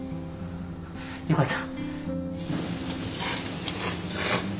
よかった。